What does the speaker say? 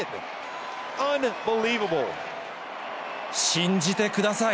信じてください。